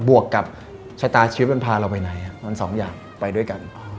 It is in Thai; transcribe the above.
วกกับชะตาชีวิตมันพาเราไปไหนมันสองอย่างไปด้วยกัน